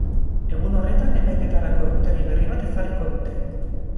Egun horretan epaiketarako egutegi berri bat ezarriko dute.